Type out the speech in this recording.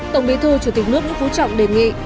tổng bí thư chủ tịch nước nguyễn phú trọng đề nghị